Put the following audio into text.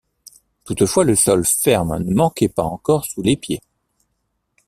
Toutefois, le sol ferme ne manquait pas encore sous les pieds.